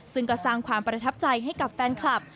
ซึ่งก็สร้างความประทับใจให้กับแฟนคลับ